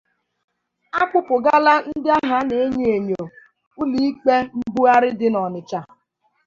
a kpụpụgala ndị ahụ a na-enyo ènyò ụlọ ikpe mbugharị dị n'Ọnịtsha